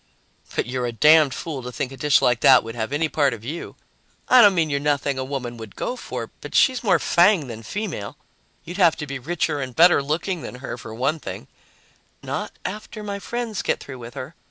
"But you're a damned fool to think a dish like that would have any part of you. I don't mean you're nothing a woman would go for, but she's more fang than female. You'd have to be richer and better looking than her, for one thing " "Not after my friends get through with her.